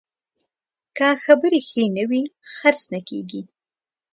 که خبرې ښې نه وي، خرڅ نه کېږي.